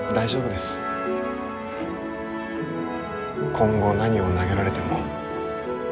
今後何を投げられても。